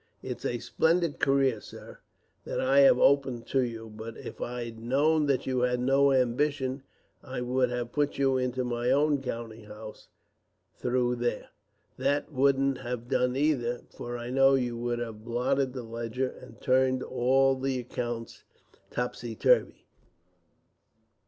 It's a splendid career, sir, that I have opened to you; but if I'd known that you had no ambition, I would have put you into my own counting house; though there, that wouldn't have done either, for I know you would have blotted the ledger, and turned all the accounts topsy turvy.